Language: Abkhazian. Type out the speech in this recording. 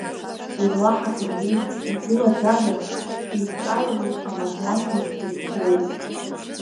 Еилаҳахьеит уи, игылаӡазаргь, илҿаҩлоз амардуанқәа зегь рбгоуп.